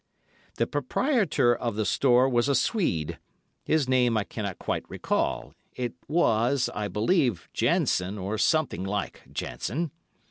The proprietor of the store was a Swede; his name I cannot quite recall, it was, I believe, Jansen, or something like Jansen.